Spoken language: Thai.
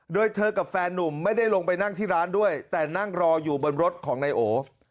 โดยเธอกับแฟนนุ่มไม่ได้ลงไปนั่งที่ร้านด้วยแต่นั่งรออยู่บนรถของนายโอ